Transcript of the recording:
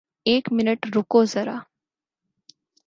ایک منٹ رکو زرا